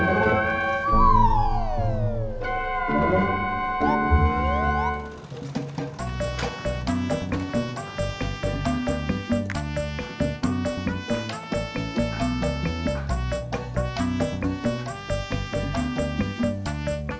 hanya tentang ke explosgah